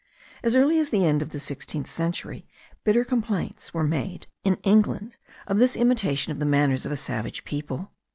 As early as the end of the sixteenth century bitter complaints were made in England of this imitation of the manners of a savage people.